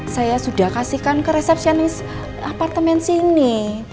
saya sudah kasihkan ke resepsionis apartemen sini